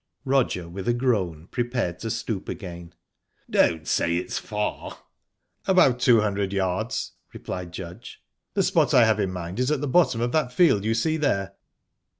Roger, with a groan, prepared to stoop again. "Don't say it's far!" "About two hundred yards," replied Judge. "The spot I have in mind is at the bottom of that field you see there."